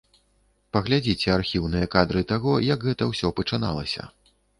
Паглядзіце архіўныя кадры таго, як гэта ўсё пачыналася.